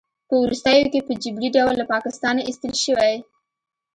په وروستیو کې په جبري ډول له پاکستانه ایستل شوی